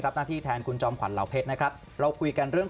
หน้าที่แทนคุณจอมขวัญเหล่าเพชรนะครับเราคุยกันเรื่อง